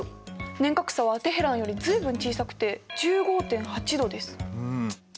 年較差はテヘランより随分小さくて１５．８度です。